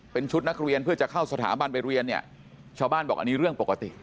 เป็นชุดนักเรียนเพื่อจะเข้าสถาบันไปเรียนเนี่ยชาวบ้านบอกอันนี้เรื่องปกติ